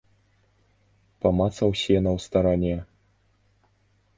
Памацаў сена ў старане.